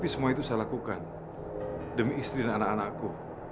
semua itu saya lakukan demi istri dan anak anakku